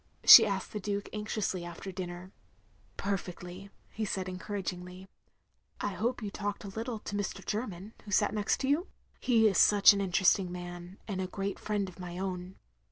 she asked the Duke, anxiously, after dinner. "Perfectly," he said, encotiragingly. "I hope you talked a little to Mr. Jerm3m, who sat next you? He is such an interesting man, and a great friend of my own.